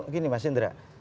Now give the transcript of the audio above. gini mas indra